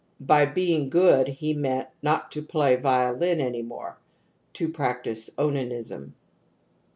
By " being good " he meant " not to play violin any more " (to practise onanism) ^®».